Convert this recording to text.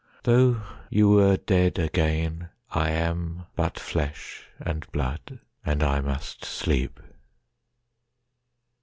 Though you were dead again,I am but flesh and blood, and I must sleep.